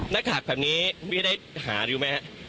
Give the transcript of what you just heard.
นักหากแบบนี้พี่ได้หาอยู่ไหมครับ